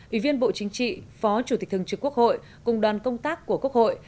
ủy viên bộ chính trị phó chủ tịch thường trực quốc hội cùng đoàn công tác của quốc hội